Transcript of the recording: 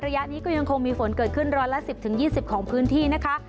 ระยะนี้ก็ยังคงมีฝนเกิดขึ้นร้อยละ๑๐๒๐ของพื้นที่นะคะ